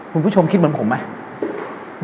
คุณผู้ชมคิดเหมือนผมไหม